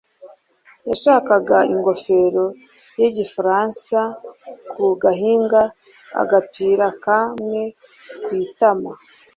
Yashakaga ingofero y'igifaransa ku gahanga, agapira kamwe ku itama,